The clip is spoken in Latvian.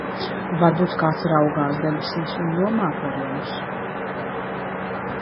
Varbūt kāds raugās debesīs un domā par jums?